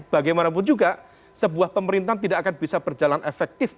bagaimanapun juga sebuah pemerintahan tidak akan bisa berjalan efektif